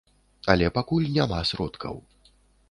Але пакуль няма сродкаў.